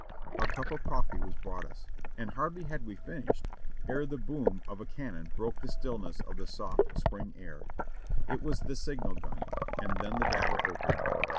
A cup of hot coffee was brought us, and hardly had we finished ere the boom of a cannon broke the stillness of the soft, spring air. It was the signal gun, and then the battle opened.